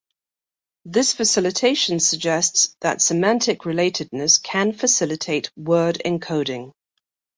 This facilitation suggests that semantic relatedness can facilitate word encoding.